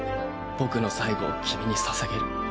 僕の最期を君にささげる。